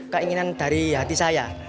keinginan dari hati saya